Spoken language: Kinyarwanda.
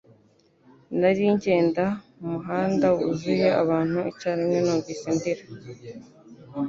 Nari ngenda mu muhanda wuzuye abantu icyarimwe numvise ndira